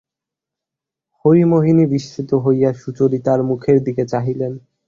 হরিমোহিনী বিস্মিত হইয়া সুচরিতার মুখের দিকে চাহিলেন।